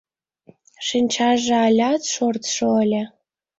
Шинчаже алят шортшо ыле.